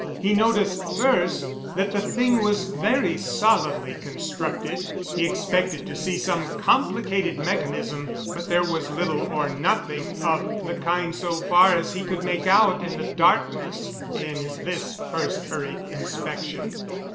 He noticed first that the thing was very solidly constructed. He expected to see some complicated mechanism, but there was little or nothing of the kind so far as he could make out in the darkness in this first hurried inspection.